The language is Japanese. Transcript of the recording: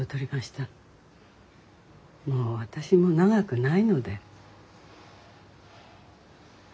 もう私も長くないので。